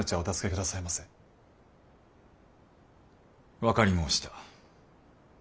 分かり申した。